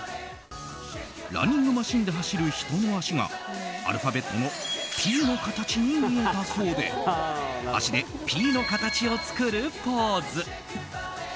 ランニングマシンで走る人の足がアルファベットの「Ｐ」の形に見えたそうで足で「Ｐ」の形を作るポーズ。